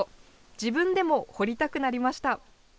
自分でも掘りたくなりました。